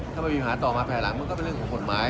ถ้าไม่มีปัญหาต่อมาภายหลังมันก็เป็นเรื่องของกฎหมาย